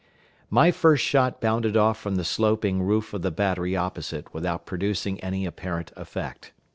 My first shot bounded off from the sloping roof of the battery opposite without producing any apparent effect.